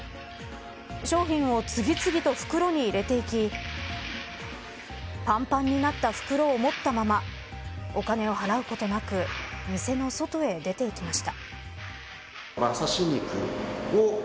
商品を次々と袋に入れていきぱんぱんになった袋を持ったままお金を払うことなく店の外へ出て行きました。